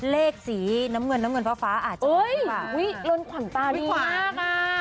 เลขสีน้ำเงินน้ำเงินฟ้าฟ้าอาจจะออกใช่ป่ะอุ้ยโรนขวัญตาดีมากอ่ะ